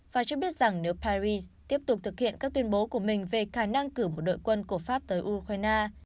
và cho biết rằng nếu paris tiếp tục thực hiện các tuyên bố của mình về khả năng cử một đội quân của pháp tới ukraine